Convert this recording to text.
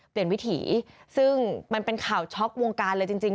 วิถีซึ่งมันเป็นข่าวช็อกวงการเลยจริง